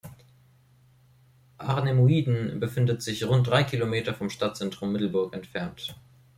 Arnemuiden befindet sich rund drei Kilometer vom Stadtzentrum Middelburg entfernt.